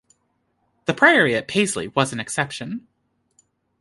The priory at Paisley was an exception.